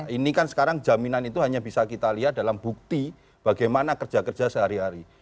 ini kan sekarang jaminan itu hanya bisa kita lihat dalam bukti bagaimana kerja kerja sehari hari